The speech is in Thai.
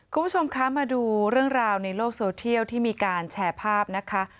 คุณผู้ชมคะมาดูเรื่องราวในโลกโซเทียลที่มีการแชร์ภาพนะคะ